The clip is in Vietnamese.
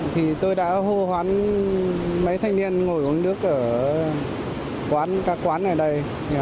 thì tôi đã hô hoán mấy thanh niên ngồi uống nước ở các quán ở đây